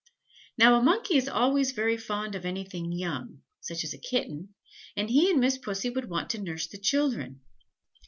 Now a Monkey is always very fond of anything young, such as a kitten, and he and Miss Pussy would want to nurse the children.